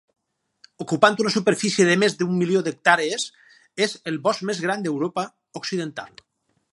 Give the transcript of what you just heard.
Ocupant una superfície de més d'un milió d'hectàrees, és el bosc més gran d'Europa Occidental.